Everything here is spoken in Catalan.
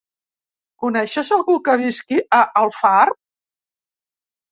Coneixes algú que visqui a Alfarb?